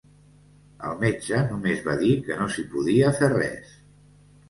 El metge només va dir que no s'hi podia fer res.